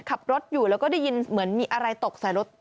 ขับรถอยู่แล้วก็ได้ยินเหมือนมีอะไรตกใส่รถ